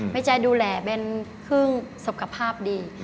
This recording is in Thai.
แม่แจ๊ดูแลเป็นครึ่งสุขภาพดี